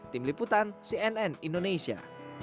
tim liputan cnn indonesia